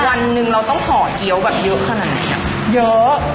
วันหนึ่งเราต้องห่อเกี้ยวแบบเยอะขนาดไหนอ่ะเยอะ